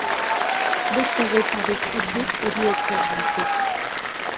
Beste egoitzarik ez dut erietxea baizik.